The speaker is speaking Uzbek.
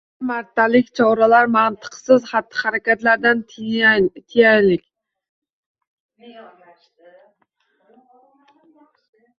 Bir martalik choralar, mantiqsiz xatti-harakatlardan tiyilaylik.